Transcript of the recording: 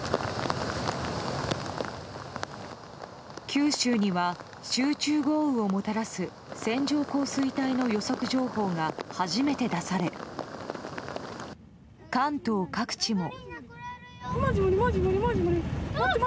九州には集中豪雨をもたらす線状降水帯の予測情報が初めて出され関東各地も。